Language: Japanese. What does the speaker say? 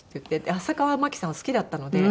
浅川マキさんは好きだったので。